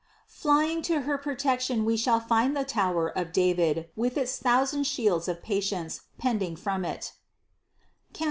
Flying to her protection we shall find the tower of David with its thousand shields of patience pending from it (Cant.